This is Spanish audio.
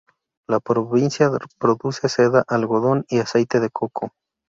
La provincia produce seda, algodón y aceite de coco.